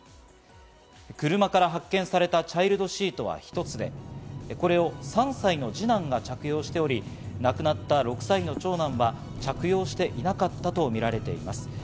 車から発見されたチャイルドシートは一つで、これを３歳の二男が着用しており、亡くなった６歳の長男は着用していなかったとみられています。